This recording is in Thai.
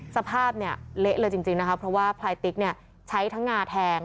สภาพเละเลยจริงนะคะเพราะว่าพลายติ๊กใช้ทั้งงาแทง